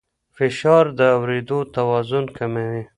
فشار د اورېدو توان کموي.